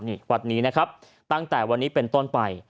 นี่วัดนี้นะครับตั้งแต่วันนี้เป็นต้นไป